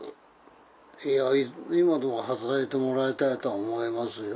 いや今でも働いてもらいたいとは思いますよ。